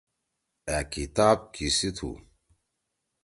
أ کتاب کیِسی تُھو؟